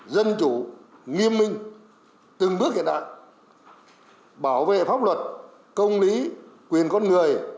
dân chủ nghiêm minh từng bước hiện đại bảo vệ pháp luật công lý quyền con người